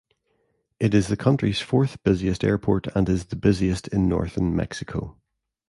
It is the country's fourth busiest airport and is the busiest in northern Mexico.